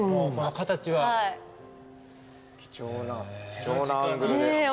貴重なアングルで。